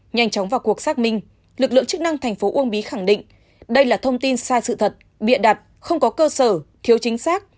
nhanh chóng vào cuộc xác minh lực lượng chức năng thành phố uông bí khẳng định đây là thông tin sai sự thật bịa đặt không có cơ sở thiếu chính xác